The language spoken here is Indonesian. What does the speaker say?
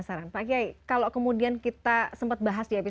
kampai kemuliaan akan kembali